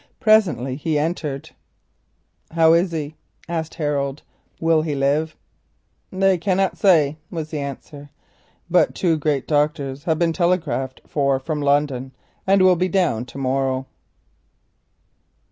Presently he came in. "How is he?" asked Harold. "Will he live?" "They cannot say," was the answer. "But two great doctors have been telegraphed for from London, and will be down to morrow."